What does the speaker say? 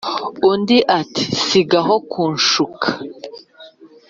undi ati sigaho kunshuka